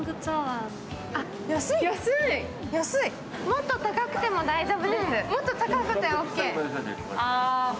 もっと高くても大丈夫です。